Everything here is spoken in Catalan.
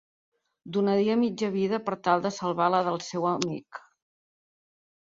Donaria mitja vida per tal de salvar la del seu amic!